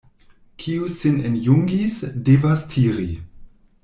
Kiu sin enjungis, devas tiri.